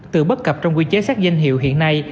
từ bất cập trong quy chế xét danh hiệu hiện nay